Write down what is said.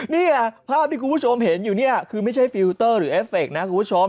นี่ภาพที่คุณผู้ชมเห็นอยู่เนี่ยคือไม่ใช่ฟิลเตอร์หรือเอฟเฟคนะคุณผู้ชม